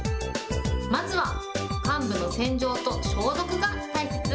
まずは患部の洗浄と消毒が大切。